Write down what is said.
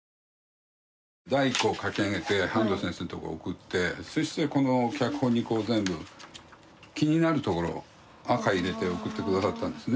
第１稿を書き上げて半藤先生のとこへ送ってそしてこの脚本にこう全部気になるところ赤入れて送って下さったんですね。